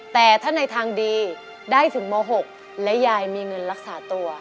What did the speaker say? แต่ถ้าในทางดีได้ถึงม๖และยายมีเงินรักษาตัว